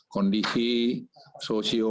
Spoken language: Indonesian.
dan presiden menekankan betul yang terakhir ini yaitu